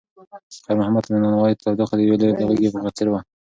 خیر محمد ته د نانوایۍ تودوخه د یوې لویې غېږې په څېر وه.